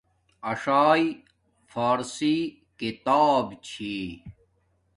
اݽݵ فارسی کتاب چھی